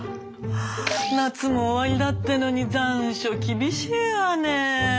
夏も終わりだってのに残暑厳しいわね。